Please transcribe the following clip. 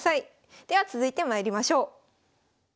では続いてまいりましょう。